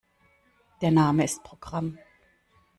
Der Name ist Programm.